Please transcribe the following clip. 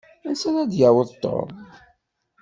Ansa ara d-yaweḍ Tom?